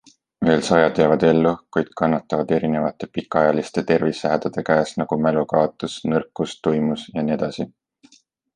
Veel sajad jäävad ellu, kuid kannatavad erinevate pikaajaliste tervisehädade käes nagu mälukaotus, nõrkus, tuimus jne.